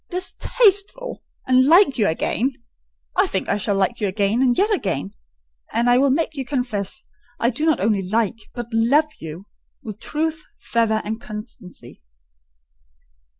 "Distasteful! and like you again! I think I shall like you again, and yet again: and I will make you confess I do not only like, but love you—with truth, fervour, constancy."